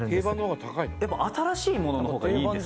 「やっぱ新しいものの方がいいんですか？」